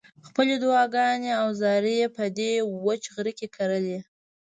خپلې دعاګانې او زارۍ یې په دې وچ غره کې کرلې.